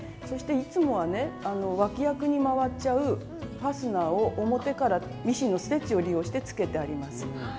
そしていつもはね脇役に回っちゃうファスナーを表からミシンのステッチを利用してつけてあります。